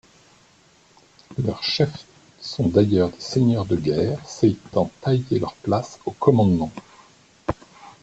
Leurs chefs sont d'ailleurs des seigneurs de guerre s'étant taillé leur place au commandement.